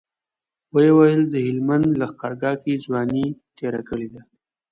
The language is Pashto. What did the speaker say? ويې ويل د هلمند لښکرګاه کې ځواني تېره کړې ده.